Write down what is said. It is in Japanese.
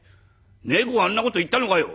「猫があんなこと言ったのかよ！」。